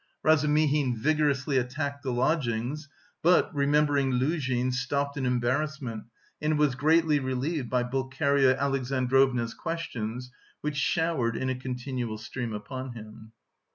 Razumihin vigorously attacked the lodgings, but, remembering Luzhin, stopped in embarrassment and was greatly relieved by Pulcheria Alexandrovna's questions, which showered in a continual stream upon him.